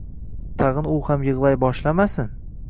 Tag`in u ham yig`lay boshlamasin